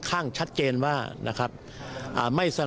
คุณสิริกัญญาบอกว่า๖๔เสียง